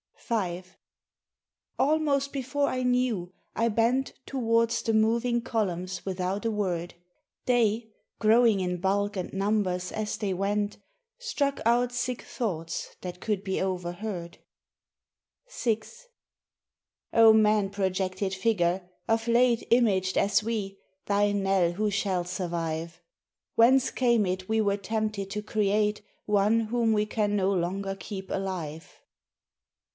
V Almost before I knew I bent Towards the moving columns without a word; They, growing in bulk and numbers as they went, Struck out sick thoughts that could be overheard:— VI "O man projected Figure, of late Imaged as we, thy knell who shall survive? Whence came it we were tempted to create One whom we can no longer keep alive?